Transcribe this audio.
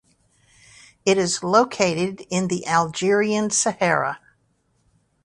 It is located in the Algerian Sahara.